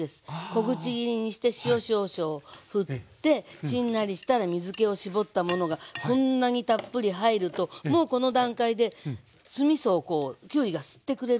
小口切りにして塩少々ふってしんなりしたら水けを絞ったものがこんなにたっぷり入るともうこの段階で酢みそをきゅうりが吸ってくれるのね。